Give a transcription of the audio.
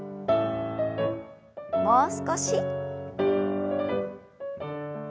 もう少し。